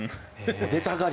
出たがり。